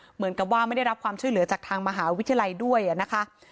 เหมือนกับว่าไม่ได้รับความช่วยเหลือจากทางมหาวิทยาลัยด้วยนะคะ